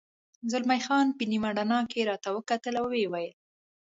زلمی خان په نیمه رڼا کې راته وکتل، ویې ویل.